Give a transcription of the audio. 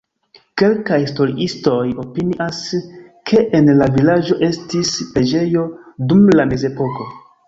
Kelkaj historiistoj opinias, ke en la vilaĝo estis preĝejo dum la mezepoko.